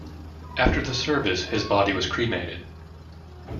After the service, his body was cremated.